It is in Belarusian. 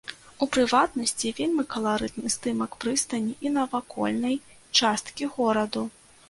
У прыватнасці, вельмі каларытны здымак прыстані і навакольнай часткі гораду.